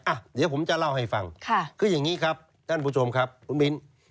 อ่ะเดี๋ยวผมจะเล่าให้ฟังค่ะคืออย่างนี้ครับท่านผู้ชมครับคุณมิ้น